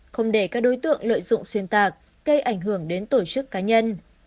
không để các đối tượng lợi dụng xuyên tạc gây ảnh hưởng đến tổ chức cá nhân